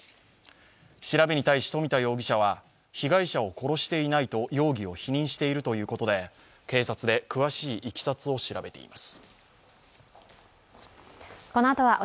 調べに対して、冨田容疑者は被害者を殺していないと容疑を否認しているということで警察で詳しいいきさつを調べています。